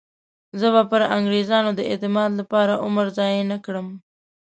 زه به پر انګریزانو د اعتماد لپاره عمر ضایع نه کړم.